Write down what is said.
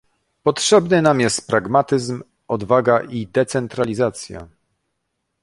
Potrzebny nam jest pragmatyzm, odwaga i decentralizacja